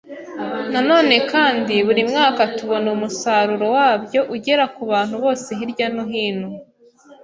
Na none kandi, buri mwaka tubona umusaruro wabyo ugera ku bantu bose hirya no hino,